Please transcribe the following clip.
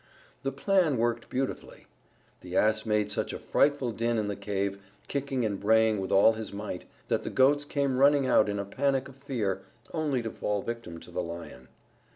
The plan worked beautifully. The Ass made such a frightful din in the cave, kicking and braying with all his might, that the Goats came running out in a panic of fear, only to fall victim to the Lion.